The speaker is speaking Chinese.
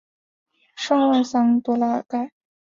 圣万桑多拉尔盖。